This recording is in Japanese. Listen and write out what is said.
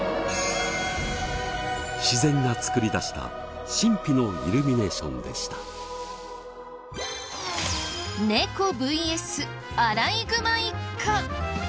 自然が作り出した神秘のイルミネーションでした。